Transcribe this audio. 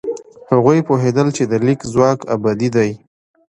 هغوی پوهېدل چې د لیک ځواک ابدي دی.